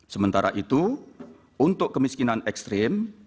sementara itu untuk kemiskinan ekstrim